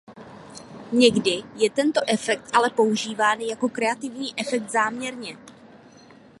Někdy je tento efekt ale používán jako kreativní efekt záměrně.